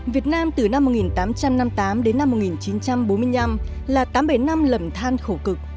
việt nam từ năm một nghìn tám trăm năm mươi tám đến năm một nghìn chín trăm bốn mươi năm là tám bể năm lầm than khổ cực